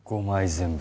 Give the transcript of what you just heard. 全部？